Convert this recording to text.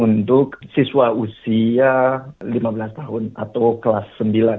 untuk siswa usia lima belas tahun atau kelas sembilan